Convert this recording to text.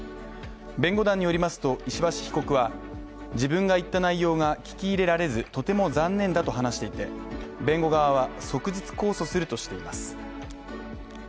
弁護団によりますと石橋被告は自分が言った内容が聞き入れられず、とても残念だと話していて、弁護側は即日控訴するとしています。